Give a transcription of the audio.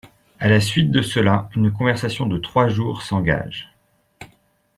À la suite de cela, une conversation de trois jours s'engage.